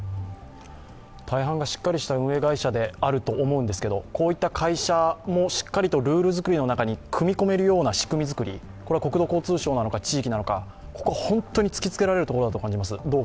大半がしっかりした運営会社であると思うんですけどこういった会社も、しっかりとルール作りの中に組み込めるような仕組み作り、これは国土交通省なのか、地域なのかここは本当に突きつけられるところだと感じます。